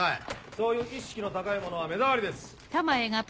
そういう意識の高いものは目障りです。